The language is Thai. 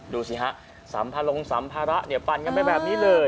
ดูสิฮะสัมภาลงสัมภาระเนี่ยปั่นกันไปแบบนี้เลย